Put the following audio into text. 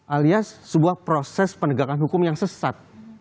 alias sebuah proses penegakan hukum yang sesat